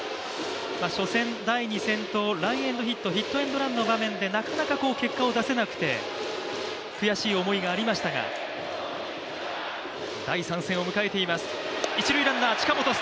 初戦、第２戦とラインへのヒットヒットエンドランの場面でなかなか結果を出せなくて、悔しい思いがありましたが、第３戦を迎えています。